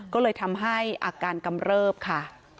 ก็เลยทำให้อาการกำเริบค่ะ